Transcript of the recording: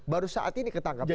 baru saat ini ketangkapnya